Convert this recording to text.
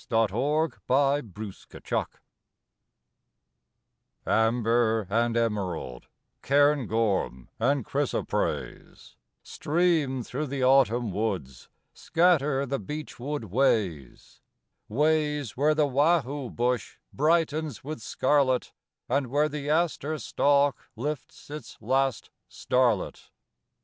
IN THE BEECH WOODS Amber and emerald, cairngorm and chrysoprase, Stream through the autumn woods, scatter the beech wood ways: Ways where the wahoo bush brightens with scarlet; And where the aster stalk lifts its last starlet.